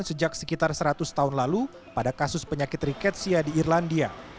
sejak sekitar seratus tahun lalu pada kasus penyakit riketsia di irlandia